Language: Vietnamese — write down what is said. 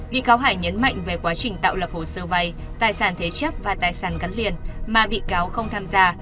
bị cáo hải nhấn mạnh về quá trình tạo lập hồ sơ vay tài sản thế chấp và tài sản cắn liền mà bị cáo không tham gia